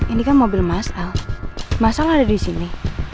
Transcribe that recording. ini kan mobil mas al mas al ada di sini